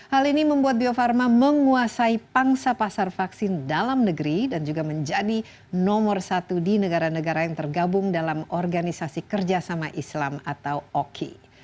hal ini membuat bio farma menguasai pangsa pasar vaksin dalam negeri dan juga menjadi nomor satu di negara negara yang tergabung dalam organisasi kerjasama islam atau oki